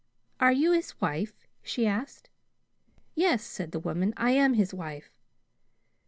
"Are you his wife?" she asked. "Yes," said the woman, "I am his wife."